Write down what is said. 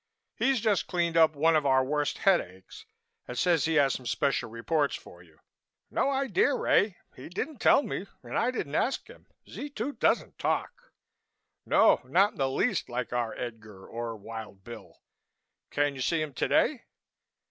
He's just cleaned up one of our worst headaches and says he has some special reports for you.... No idea, Ray, he didn't tell me and I didn't ask him.... Z 2 doesn't talk. No, not in the least like our Edgar or Wild Bill. Can you see him today?"